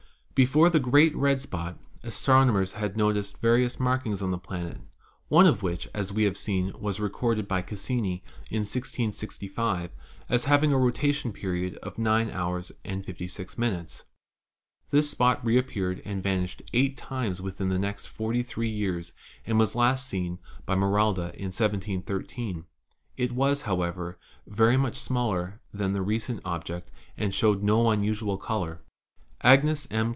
Before the "great red spot" astronomers had noticed various markings on the" planet, one of which, as we have seen, was recorded by Cassini in 1665 as having a rotation period of 9 hours and 56 minutes. This spot reappeared and vanished eight times within the next forty three years and was last seen by Maralda in 1713. It was, however, 200 ASTRONOMY very much smaller than the recent object and showed no unusual color. Agnes M.